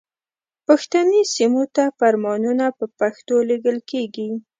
پښتني سیمو ته فرمانونه په پښتو لیږل کیږي.